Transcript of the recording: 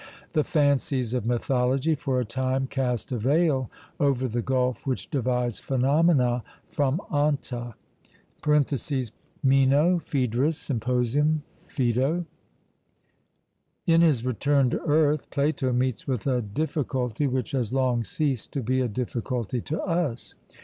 The fancies of mythology for a time cast a veil over the gulf which divides phenomena from onta (Meno, Phaedrus, Symposium, Phaedo). In his return to earth Plato meets with a difficulty which has long ceased to be a difficulty to us.